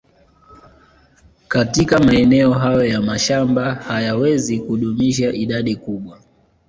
Katika maeneo hayo ya mashamba hayawezi kudumisha idadi kubwa